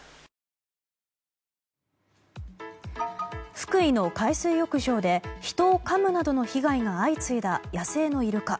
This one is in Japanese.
福井の海水浴場で人をかむなどの被害が相次いだ野生のイルカ。